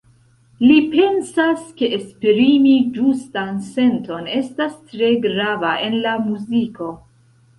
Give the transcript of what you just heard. Li pensas, ke esprimi ĝustan senton estas tre grava en la muziko.